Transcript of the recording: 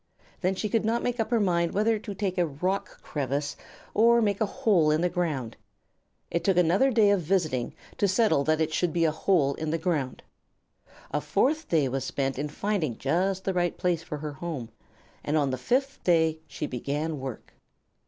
Then she could not make up her mind whether to take a rock crevice or make a hole in the ground. It took another day of visiting to settle that it should be a hole in the ground. A fourth day was spent in finding just the right place for her home, and on the fifth day she began work.